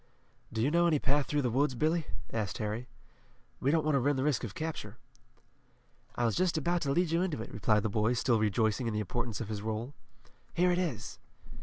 "Do you know any path through the woods, Billy?" asked Harry. "We don't want to run the risk of capture." "I was just about to lead you into it," replied the boy, still rejoicing in the importance of his role. "Here it is."